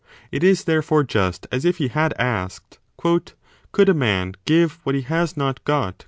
It is therefore just as if he had asked Could a man give what he has not got